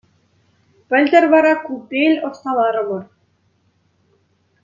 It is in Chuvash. Пӗлтӗр вара купель ӑсталарӑмӑр.